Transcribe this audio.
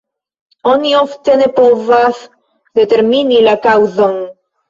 Oni ofte ne povas determini la kaŭzon.